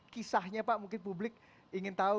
kisahnya pak mungkin publik ingin tahu